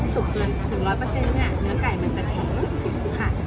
ที่แบบไม่ได้สุกเกินถึง๑๐๐ค่ะ